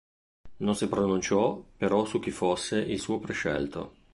Non si pronunciò però su chi fosse il suo prescelto.